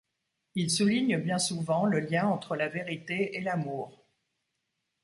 Il souligne bien souvent le lien entre la vérité et l'amour.